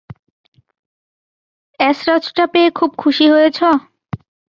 এসরাজটা পেয়ে খুব খুশি হয়েছ?